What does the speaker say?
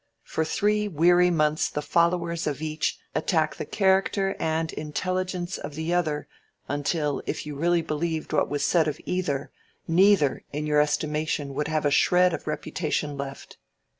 For three weary months the followers of each attack the character and intelligence of the other until, if you really believed what was said of either, neither in your estimation would have a shred of reputation left.